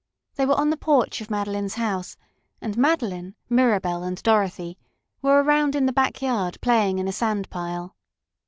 They were on the porch of Madeline's house, and Madeline, Mirabell and Dorothy were around in the back yard playing in a sand pile.